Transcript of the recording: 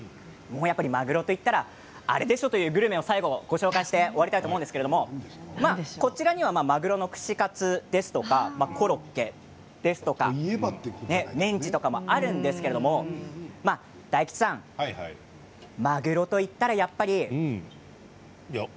まぐろと言ったらあれでしょうというグルメを最後にご紹介して終わりたいと思うんですがこちらには、まぐろの串カツやコロッケですとかメンチとかあるんですけれど大吉さんまぐろと言ったらやっぱり。